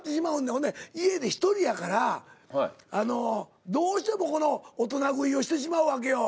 ほんで家で１人やからどうしても大人食いをしてしまうわけよ。